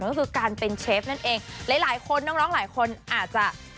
หนึ่งก็คือการเป็นเชฟนั่นเองหลายคนน้องหลายคนอาจจะจำไม่ได้